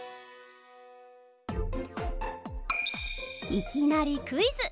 いきなりクイズ！